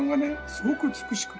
すごく美しくて。